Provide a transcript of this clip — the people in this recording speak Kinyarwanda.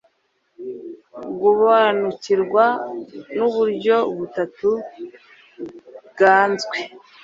guobanukirwa nuburyo butatu buanzwe